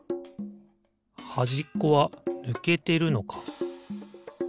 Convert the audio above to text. はじっこはぬけてるのか。